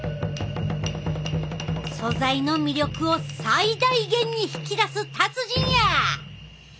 素材の魅力を最大限に引き出す達人や！